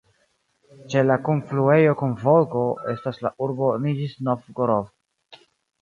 Ĉe la kunfluejo kun Volgo, estas la urbo Niĵnij Novgorod.